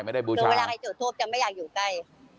ไม่ได้บูชาไม่ได้อยู่ใกล้